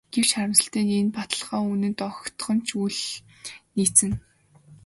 Гэвч харамсалтай нь энэ баталгаа үнэнд огтхон ч үл нийцнэ.